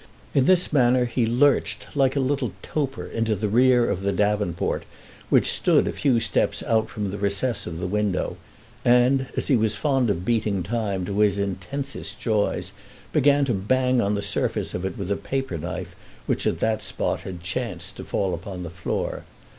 In this manner he lurched like a little toper into the rear of the davenport, which stood a few steps out from the recess of the window, and, as he was fond of beating time to his intensest joys, began to bang on the surface of it with a paper knife which at that spot had chanced to fall upon the floor.